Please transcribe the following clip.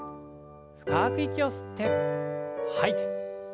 深く息を吸って吐いて。